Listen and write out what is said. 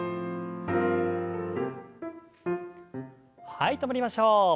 はい止まりましょう。